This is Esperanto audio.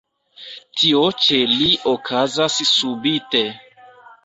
Tio ĉe li okazas subite.